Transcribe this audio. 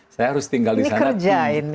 saya harus tinggal di sana ini kerja ini